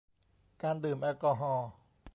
การดื่มแอลกอฮอล์